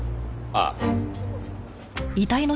ああ。